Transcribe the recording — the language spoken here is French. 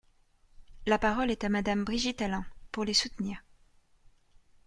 La parole est à Madame Brigitte Allain, pour les soutenir.